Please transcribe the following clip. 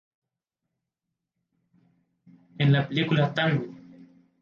En la película "¡Tango!